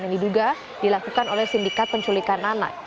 ini juga dilakukan oleh sindikat penculikan anak